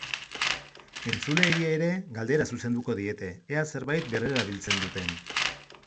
Entzuleei ere galdera zuzenduko diete, ea zerbait berrerabiltzen duten.